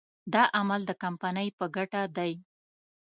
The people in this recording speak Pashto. دا عمل د کمپنۍ په ګټه دی.